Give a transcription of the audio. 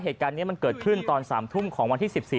เหตุการณ์นี้มันเกิดขึ้นตอน๓ทุ่มของวันที่๑๔